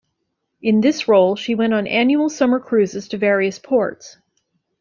In this role, she went on annual summer cruises to various ports.